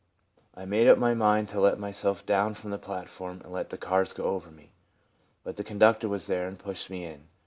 I made up my mind to let myself down from the plat form and let the cars go over me. But the conductor was there and pushed me in.